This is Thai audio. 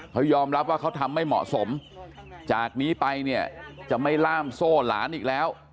เขายอมรับว่าเขาทำไม่เหมาะสมจากนี้ไปเนี่ยจะไม่ล่ามโซ่หลานอีกแล้ว